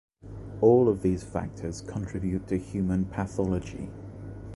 All of these factors contribute to human pathology.